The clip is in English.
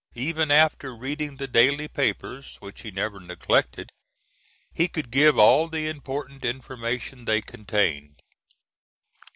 Even after reading the daily papers which he never neglected he could give all the important information they contained.